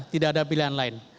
tidak ada pilihan lain